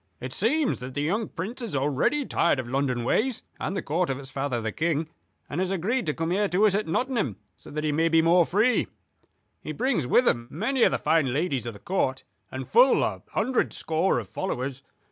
"It seems that the young Prince is already tired of London ways and the Court of his father the King, and has agreed to come here to us at Nottingham so that he may be more free. He brings with him many of the fine ladies of the Court; and full a hundred score of followers.